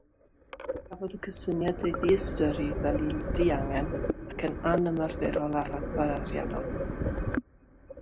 Cafodd y cysyniad ei ddiystyru fel un diangen ac yn anymarferol ar raddfa ariannol.